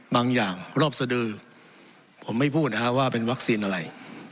บางอย่างรอบสดือผมไม่พูดนะฮะว่าเป็นวัคซีนอะไร